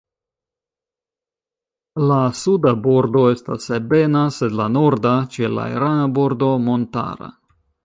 La suda bordo estas ebena, sed la norda ĉe la irana bordo montara.